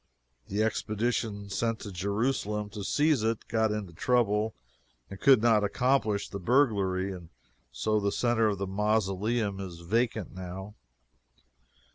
The expedition sent to Jerusalem to seize it got into trouble and could not accomplish the burglary, and so the centre of the mausoleum is vacant now.